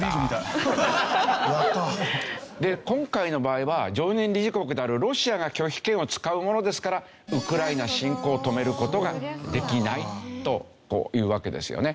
で今回の場合は常任理事国であるロシアが拒否権を使うものですからウクライナ侵攻を止める事ができないというわけですよね。